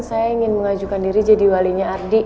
saya ingin mengajukan diri jadi walinya ardi